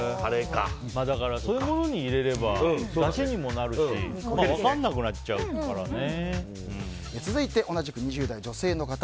そういうものに入れればだしにもなるし続いて、同じく２０代女性の方。